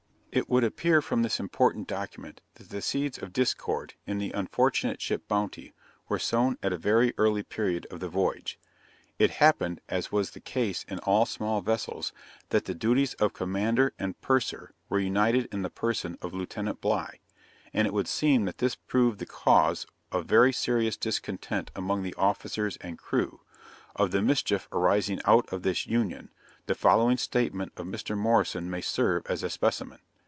It would appear from this important document that the seeds of discord, in the unfortunate ship Bounty, were sown at a very early period of the voyage. It happened, as was the case in all small vessels, that the duties of commander and purser were united in the person of Lieutenant Bligh; and it would seem that this proved the cause of very serious discontent among the officers and crew; of the mischief arising out of this union, the following statement of Mr. Morrison may serve as a specimen.